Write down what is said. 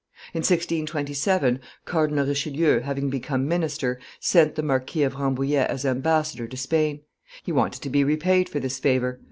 In 1627, Cardinal Richelieu, having become minister, sent the Marquis of Rambouillet as ambassador to Spain. He wanted to be repaid for this favor.